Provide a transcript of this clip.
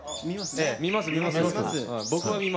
見ますね。